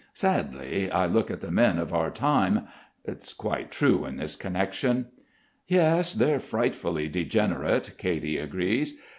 'Sadly I look at the men of our time' it's quite true in this connection." "Yes, they're frightfully degenerate," Katy agrees.